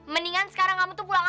mendingan sekarang kamu tuh pulang aja